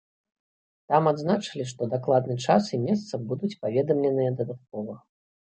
Там адзначылі, што дакладны час і месца будуць паведамленыя дадаткова.